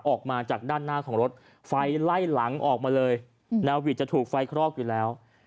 ออกมาจากด้านหน้าของรถไฟไล่หลังออกมาเลยนาวิดจะถูกไฟคลอกอยู่แล้ว